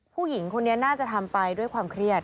ผู้หญิงคนนี้น่าจะทำไปด้วยความเครียด